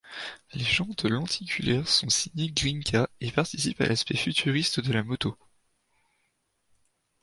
Les jantes lenticulaires sont signées Grimeca et participent à l'aspect futuriste de la moto.